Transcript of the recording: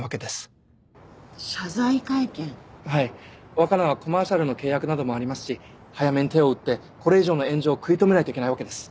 若菜はコマーシャルの契約などもありますし早めに手を打ってこれ以上の炎上を食い止めないといけないわけです。